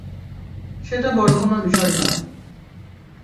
সেটা বড়ো কোনও বিষয় নয়।